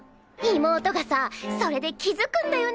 妹がさそれで気づくんだよね。